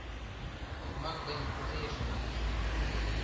— Окмак гын, кузе эше манаш?